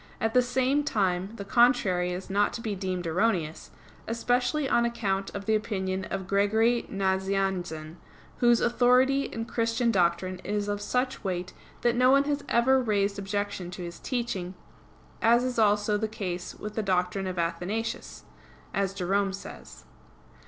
At the same time the contrary is not to be deemed erroneous; especially on account of the opinion of Gregory Nazianzen, "whose authority in Christian doctrine is of such weight that no one has ever raised objection to his teaching, as is also the case with the doctrine of Athanasius," as Jerome says.